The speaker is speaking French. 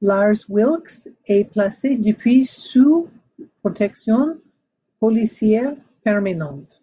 Lars Wilks est placé depuis sous protection policière permanente.